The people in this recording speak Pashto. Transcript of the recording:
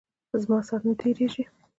زما سات نه تیریژی.